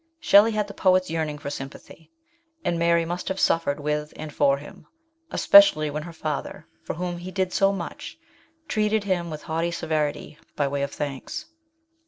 Shelley had the poet's yearning for sympathy, and Mary must have suffered with and for him, especially when her father, for whom he did so much, treated him with haughty severity by way of thanks.